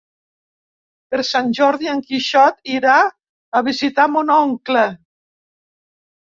Per Sant Jordi en Quixot irà a visitar mon oncle.